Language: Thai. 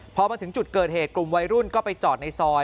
พอมาถึงจุดเกิดเหตุกลุ่มวัยรุ่นก็ไปจอดในซอย